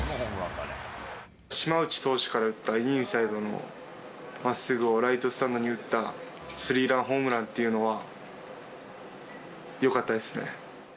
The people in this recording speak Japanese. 島内投手から打ったインサイドの真っすぐをライトスタンドに打ったスリーランホームランっていうのは、よかったですね。